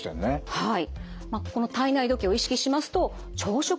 はい。